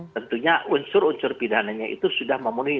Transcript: tentunya unsur unsur pidananya itu sudah memenuhi